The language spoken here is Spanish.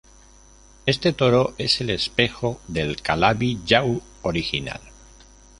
Este toro es el espejo del Calabi-Yau original.